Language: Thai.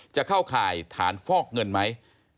จะเข้าขายฐานฟอกเงินมั้ย